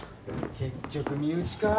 結局身内か。